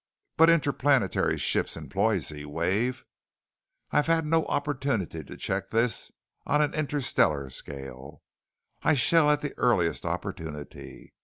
"But interplanetary ships employ Z wave." "I have had no opportunity to check this on an interstellar scale. I shall at the earliest opportunity.